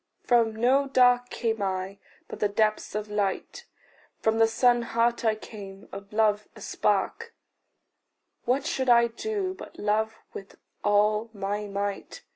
From no dark came I, but the depths of light; From the sun heart I came, of love a spark: What should I do but love with all my might?